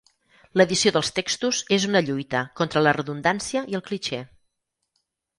L'edició dels textos és una lluita contra la redundància i el clixé.